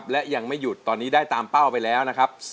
และยังไม่หยุดตอนนี้ได้ตามเป้าไปแล้วนะครับ